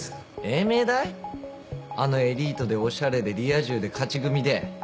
あのエリートでおしゃれでリア充で勝ち組で。